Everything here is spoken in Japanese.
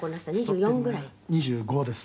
「２５です」